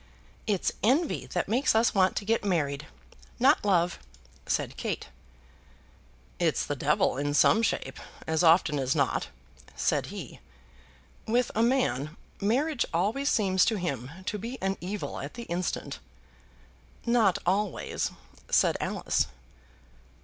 "It's envy that makes us want to get married, not love," said Kate. "It's the devil in some shape, as often as not," said he. "With a man, marriage always seems to him to be an evil at the instant." "Not always," said Alice.